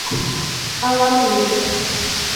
A la minuta